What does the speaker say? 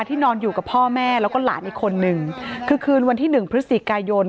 นอนอยู่กับพ่อแม่แล้วก็หลานอีกคนนึงคือคืนวันที่หนึ่งพฤศจิกายน